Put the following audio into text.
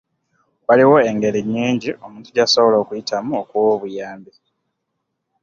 Waliwo engeri nnyingi omuntu zasobola okuyitamu okuwa obuyambi.